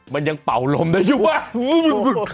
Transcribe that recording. มันยังเป่าลมได้อยู่ว่ะ